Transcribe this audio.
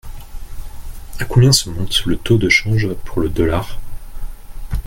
À combien se monte le taux de change pour le dollar ?